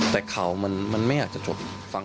แต่เขามันไม่อยากจะจบ